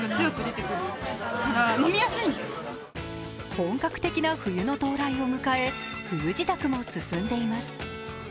本格的な冬の到来を迎え、冬支度も進んでいます。